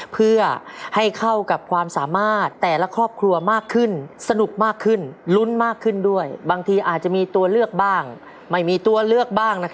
เพื่อให้เข้ากับความสามารถแต่ละครอบครัวมากขึ้น